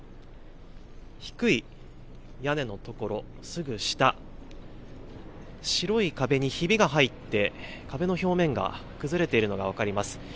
低い屋根の所、すぐ下、白い壁にひびが入って、壁の表面が崩れているのが分かります。